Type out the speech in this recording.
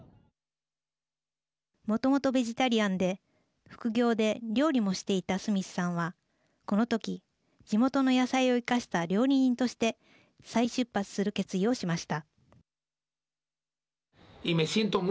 もともとベジタリアンで副業で料理もしていたスミスさんはこの時、地元の野菜を生かした料理人として再出発する決意をしました。